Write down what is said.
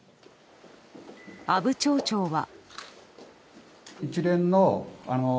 阿武町長は。